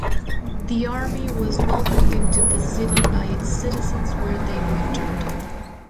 The army was welcomed into the city by its citizens where they wintered.